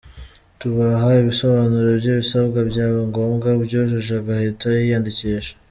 Tubaha ibisobanuro by’ibisabwa, byaba ngombwa ubyujuje agahita yiyandikisha.